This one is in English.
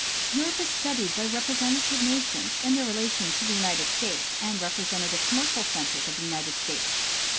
Europe is studied by representative nations in their relation to the United States and representative commercial centers of the United States.